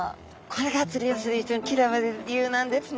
これが釣りをする人に嫌われる理由なんですね。